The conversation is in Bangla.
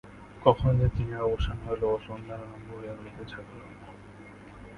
কখন যে দিনের অবসান হইল ও সন্ধ্যার আরম্ভ হইল বুঝা গেল না।